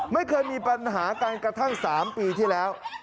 ไม่เคยมีปัญหากันกระทั่ง๓ปีที่แล้ว